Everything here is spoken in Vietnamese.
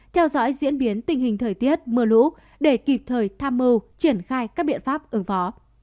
theo dõi diễn biến tình hình thời tiết mưa lũ để kịp thời tham mưu triển khai các biện pháp ứng phó